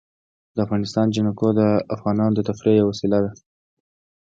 د افغانستان جلکو د افغانانو د تفریح یوه وسیله ده.